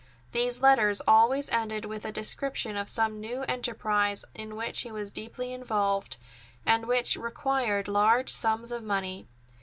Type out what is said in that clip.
These letters always ended with a description of some new enterprise in which he was deeply involved, and which required large sums of money.